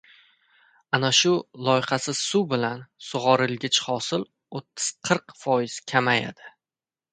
Ana shu loyqasiz suv bilan sug‘orilgich hosil o‘ttiz-qirq foiz kamayadi.